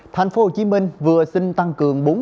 thành phố hồ chí minh vừa xin tăng cường